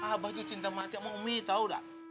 abah tuh cinta mati sama umi tau gak